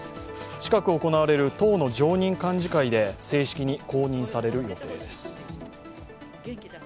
近く行われる党の常任幹事会で正式に公認される予定です。